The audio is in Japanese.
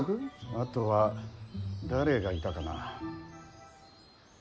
あとは誰がいたかなあ。